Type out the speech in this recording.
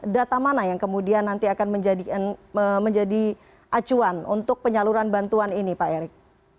data mana yang kemudian nanti akan menjadi acuan untuk penyaluran bantuan ini pak erick